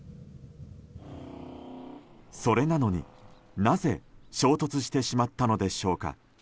それなのに、なぜ衝突してしまったのでしょうか。